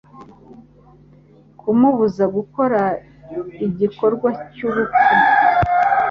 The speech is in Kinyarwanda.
kumubuza gukora igikorwa cy ubupfu